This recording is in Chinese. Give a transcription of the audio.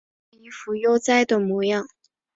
都是一副悠哉的模样